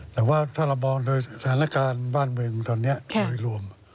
แต่ว่าถ้าเรามองโดยสถานการณ์บ้านเมืองตอนนี้โดยรวม